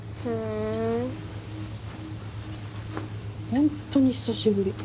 ホントに久しぶり。